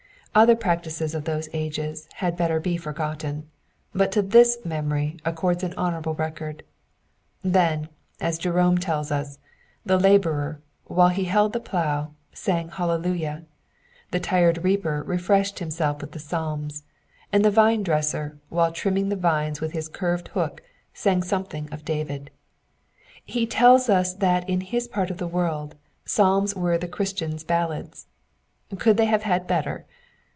Other practices of those ages had better be forgotten, but to this memory accords an honour able record. Then, as Jerome tells us, the labourer, while he held the plough, sang Hallelujah ; the tired reaper refreshed himself with the psalms, and the vinedresser, while trimming the vines with his curved hook, sang something of David. He tells us that in his part of the world, psalms were the Christian's ballads ; could they have had better